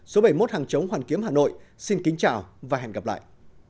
số bảy mươi một hàng chống hoàn kiếm hà nội xin kính chào và hẹn gặp lại